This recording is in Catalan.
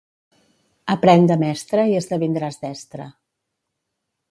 Aprèn de mestre i esdevindràs destre.